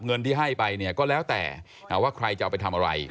เงินที่ให้ไปเนี่ยก็แล้วแต่ว่าใครจะเอาไปทำอะไร